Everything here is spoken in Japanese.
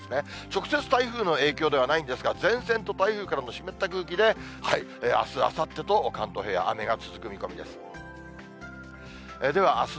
直接台風の影響ではないんですが、前線と台風からの湿った空気であす、あさってと関東平野、雨が続く見込みです。